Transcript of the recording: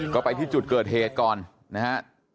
ก็ไปที่จุดเกิดเหตุก่อนนะฮะ